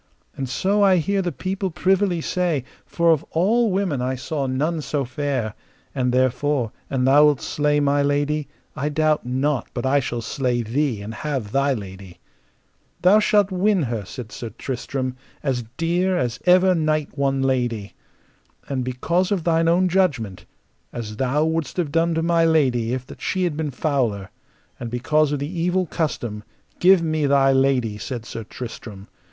And so I hear the people privily say, for of all women I saw none so fair; and therefore, an thou wilt slay my lady, I doubt not but I shall slay thee and have thy lady. Thou shalt win her, said Sir Tristram, as dear as ever knight won lady. And because of thine own judgment, as thou wouldst have done to my lady if that she had been fouler, and because of the evil custom, give me thy lady, said Sir Tristram.